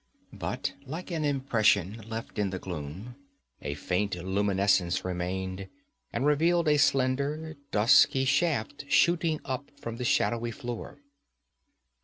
But like an impression left in the gloom, a faint luminance remained, and revealed a slender dusky shaft shooting up from the shadowy floor.